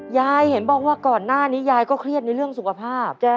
เห็นบอกว่าก่อนหน้านี้ยายก็เครียดในเรื่องสุขภาพ